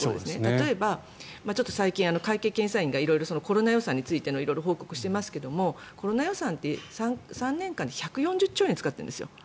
例えばちょっと最近会計検査院がコロナ予算についての色々を報告していますがコロナ予算って３年間で１４０兆円使ってるんですよ。